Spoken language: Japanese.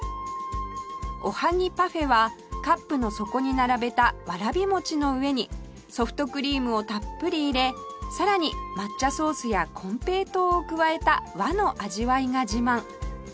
おはぎパフェはカップの底に並べたわらび餅の上にソフトクリームをたっぷり入れさらに抹茶ソースや金平糖を加えた和の味わいが自慢